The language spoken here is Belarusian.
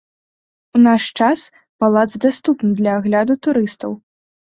У наш час палац даступны для агляду турыстаў.